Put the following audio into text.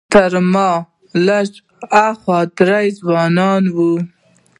تر ما لږ ها خوا درې ځوانان وو.